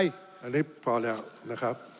อันนี้พอแล้วนะครับ